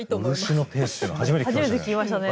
漆のペースって初めて聞きましたね。